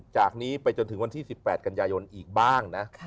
จากนี้ไปจนถึงวันที่๑๘กันยายนอีกบ้างนะ